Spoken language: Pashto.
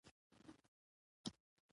مونږ د نفرت د طوپانونو پروا نه ده کړې